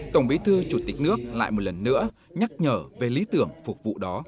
tổng bí thư chủ tịch nước lại một lần nữa nhắc nhở về lý tưởng phục vụ đó